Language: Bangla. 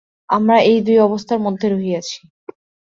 আমরা এই দুই অবস্থার মধ্যে রহিয়াছি।